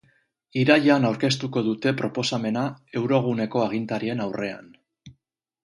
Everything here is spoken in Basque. Irailean aurkeztuko dute proposamena euroguneko agintarien aurrean.